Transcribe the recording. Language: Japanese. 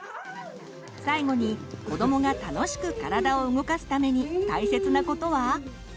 最後に子どもが楽しく体を動かすために大切なことは？